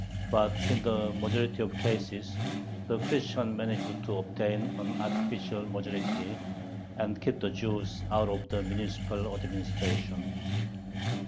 But in the majority of cases the Christians managed to obtain an artificial majority and keep the Jews out of the municipal administration.